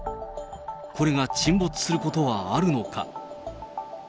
これが沈没することはあるのか。